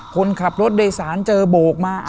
คนขับรถโดยสารเจอโบกมา